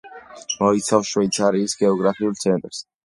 მოიცავს შვეიცარიის გეოგრაფიულ ცენტრს.